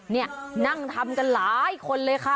นี่นั่งทำกันหลายคนเลยค่ะ